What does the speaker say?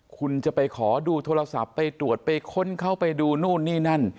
คุณจะไปขอดูโทรศัพท์ไปตรวจไปค้นเขาไปดูนู่นนี่นั่น